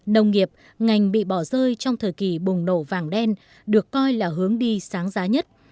nông nghiệp ngành bị bỏ rơi trong thời kỳ bùng nổ vàng đen được coi là hướng đi sáng giá nhất